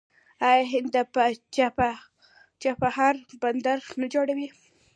آیا هند د چابهار بندر نه جوړوي؟